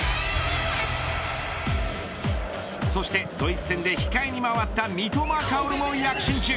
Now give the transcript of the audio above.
そしてドイツ戦で控えに回った三笘薫も躍進中。